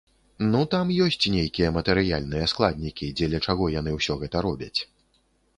Ну, там ёсць нейкія матэрыяльныя складнікі, дзеля чаго яны ўсё гэта робяць.